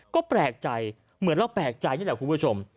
ก็แปลกใจเหมือนเราแปลกใจนี่แหละคุณผู้ชม